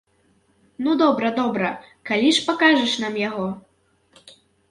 Ну, добра, добра, калі ж пакажаш нам яго?